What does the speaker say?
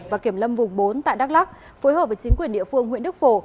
và kiểm lâm vùng bốn tại đắk lắc phối hợp với chính quyền địa phương huyện đức phổ